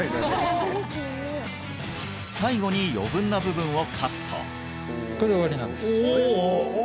最後に余分な部分をカットおおお！